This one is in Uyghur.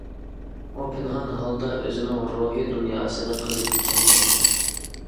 ئۇ پىنھان ھالدا ئۆزىنىڭ روھى دۇنياسىنى قېزىپ كەلمەكتە.